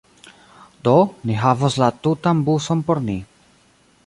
Do, ni havos la tutan buson por ni